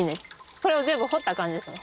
これを全部掘った感じですね。